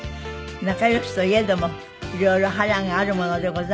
仲良しといえどもいろいろ波瀾があるものでございます。